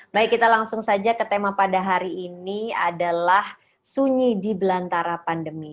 baik kita langsung saja ke tema pada hari ini adalah sunyi di belantara pandemi